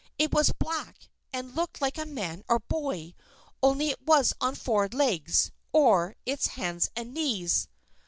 It was black, and looked like a man or boy, only it was on four legs or its hands and knees."